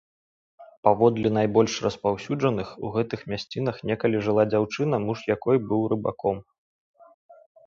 Паводле найбольш распаўсюджаных, у гэтых мясцінах некалі жыла дзяўчына, муж якой быў рыбаком.